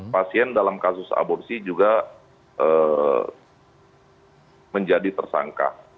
pasien dalam kasus aborsi juga menjadi tersangka